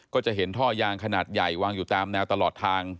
ก็จะเห็นท่อยางขนาดใหญ่วางอยู่ตามแนวตลอดทาง